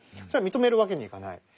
それは認めるわけにはいかない。